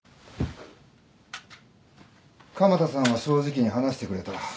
鎌田さんは正直に話してくれた。